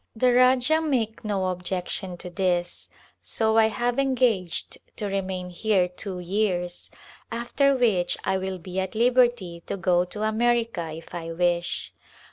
The Rajah make no objection to this, so I have engaged to remain here two years, after which I will be at liberty to go to America if I wish.